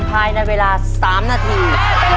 ภายในเวลา๓นาที